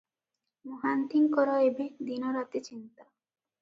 ମହାନ୍ତିଙ୍କର ଏବେ ଦିନ ରାତି ଚିନ୍ତା ।